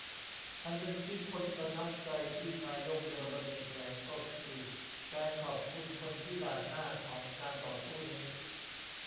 อันนึงที่คนประทับใจที่นายกเยอรมนีแถลงก็คือ การขอบคุณคนที่ "ด่านหน้า" ของการต่อสู้นี้